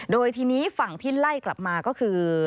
โดยทีนี้ฝั่งที่ไล่กลับมาก็คือ